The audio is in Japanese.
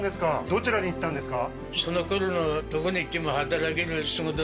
どちらに行ったんですか？